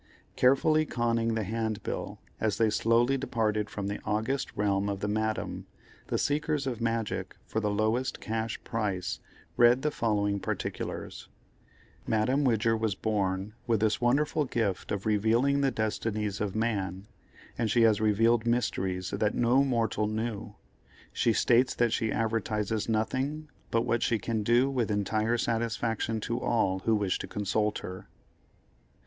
Carefully conning the handbill as they slowly departed from the august realm of the Madame, the seekers of magic for the lowest cash price read the following particulars: "Madame Widger was born with this wonderful gift of revealing the destinies of man, and she has revealed mysteries that no mortal knew. She states that she advertises nothing but what she can do with entire satisfaction to all who wish to consult her.